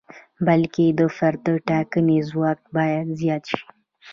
بلکې د فرد د ټاکنې ځواک باید زیات شي.